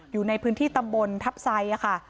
อยู่ในพื้นที่ตำบลทัพไซค่ะ